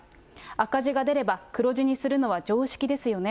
赤字が出れば、黒字にするのは常識ですよね。